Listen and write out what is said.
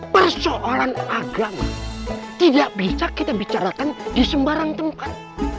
persoalan agama tidak bisa kita bicarakan di sembarang tempat